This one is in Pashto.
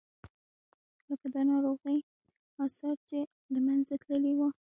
لکه د ناروغۍ آثار چې له منځه تللي وي.